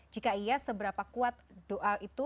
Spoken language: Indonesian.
jika iya seberapa kuat doa itu